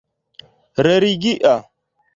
religia